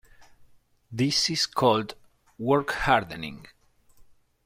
This is called 'work hardening'.